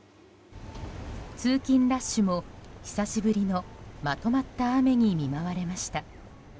通勤ラッシュも久しぶりのまとまった雨に見舞われました。